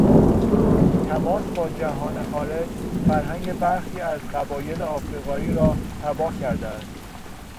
تماس با جهان خارج، فرهنگ برخی از قبایل افریقایی را تباه کرده است.